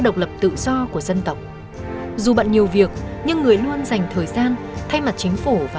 độc lập tự do của dân tộc dù bận nhiều việc nhưng người luôn dành thời gian thay mặt chính phủ và